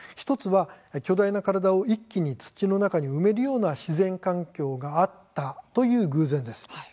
１つは巨大な体を一気に土の中に埋めるような自然環境があったという偶然です。